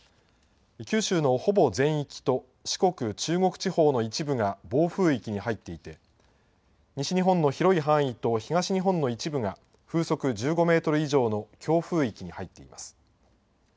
九州のほぼ全域と、四国、中国地方の一部が暴風域に入っていて、西日本の広い範囲と東日本の一部が風速１５メートル以上の強風域に入っています。